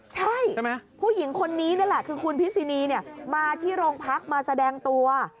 ใช่ผู้หญิงคนนี้นั่นแหละคือคุณพิษินีมาที่โรงพักมาแสดงตัว